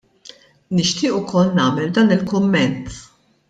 Nixtieq ukoll nagħmel dan il-kumment.